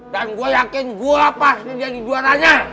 dan gue yakin gue pas ini jadi juaranya